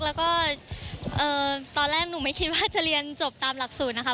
แล้วก็ตอนแรกหนูไม่คิดว่าจะเรียนจบตามหลักสูตรนะคะ